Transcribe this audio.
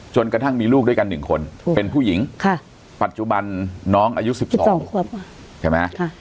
จนกระทั่งมีลูกด้วยกัน๑คนเป็นผู้หญิงค่ะปัจจุบันน้องอายุ๑๒แผสมาค่ะ